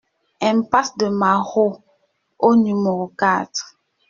Impasse de Maroux au numéro quatre